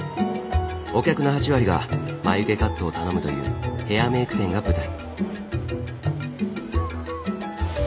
お客の８割が眉毛カットを頼むというヘアメイク店が舞台。